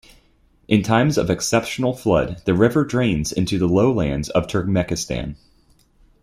In times of exceptional flood the river drains into the lowlands of Turkmenistan.